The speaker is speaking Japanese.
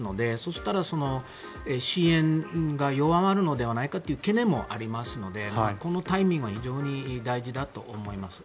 したら支援が弱まるのではないかという懸念もありますのでこのタイミングは非常に大事だと思います。